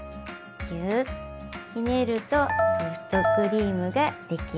ギューひねるとソフトクリームが出来上がり。